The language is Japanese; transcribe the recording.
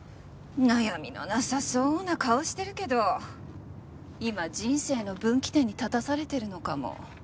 悩みのなさそうな顔してるけど今人生の分岐点に立たされてるのかも。